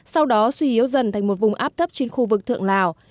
sau đó suy yếu dần thành một vùng áp thấp trên khu vực thượng lào